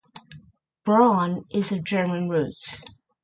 Braun is of German roots.